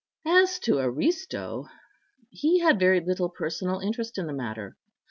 As to Aristo, he had very little personal interest in the matter.